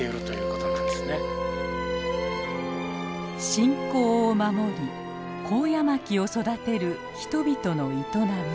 信仰を守りコウヤマキを育てる人々の営み。